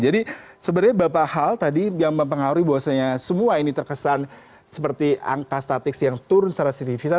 jadi sebenarnya beberapa hal tadi yang mempengaruhi bahwasannya semua ini terkesan seperti angka statis yang turun secara signifika